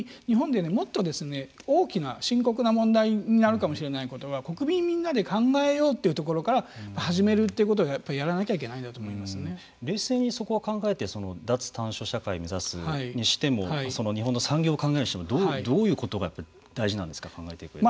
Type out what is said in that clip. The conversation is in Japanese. つまり日本でもっと大きな深刻な問題になるかもしれないことは国民みんなで考えようというところから始めるということをやらなきゃ冷静にそこは考えて脱炭素社会を目指すにしても日本の産業を考えるにしてもどういうことが大事なんですか考えていく上で。